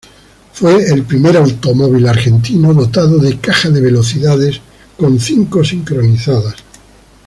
Fue el primer automóvil argentino dotado de caja de velocidades con cinco sincronizadas.